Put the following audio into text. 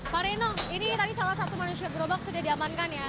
pak reno ini tadi salah satu manusia gerobak sudah diamankan ya